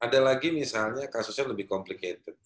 ada lagi misalnya kasusnya lebih complicated